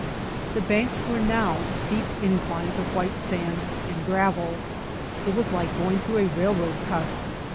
The banks were now steep inclines of white sand and gravel. It was like going through a railroad cut.